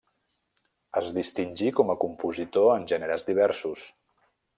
Es distingí com a compositor en generes diversos.